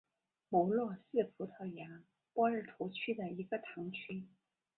穆罗是葡萄牙波尔图区的一个堂区。